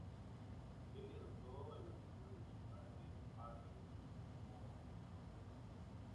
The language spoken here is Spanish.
Lily adoptó el apellido de su madre "Harvey" como nombre artístico.